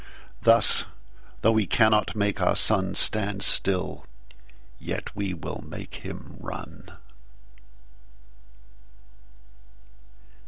Thus, though we cannot make our SunStand still, yet we will make him run.